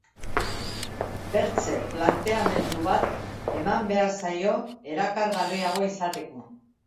Bertze planteamendu bat eman behar zaio erakargarriago izateko.